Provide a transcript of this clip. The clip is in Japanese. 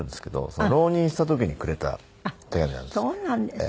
その浪人した時にくれた手紙なんです。